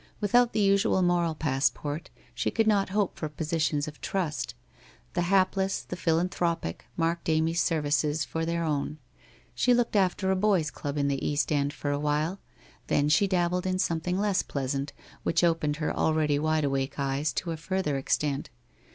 Without the usual moral passport, she could not hope for positions of trust. The hapless, the philanthropic, marked Amy's services for their own. She looked after a boys' club in the East End for a while, then she dabbled in something less pleasant, which opened her already wideawake eyes to a farther extent.